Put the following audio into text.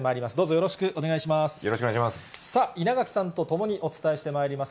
よろしくお願いします。